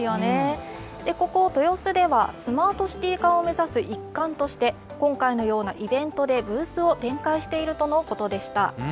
ここ、豊洲ではスマートシティ化を目指す一環として今回のようなイベントでブースを展開しているとのことでした。